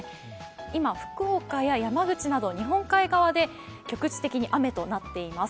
今、福岡や山口など日本海側で局地的に雨となっています。